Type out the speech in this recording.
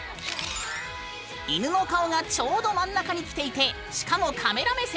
犬の顔がちょうど真ん中にきていてしかもカメラ目線！